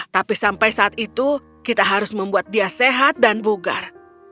tapi sampai saat itu kita harus membuat dia sehat dan bugar